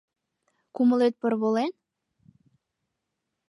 Кумылет порволен?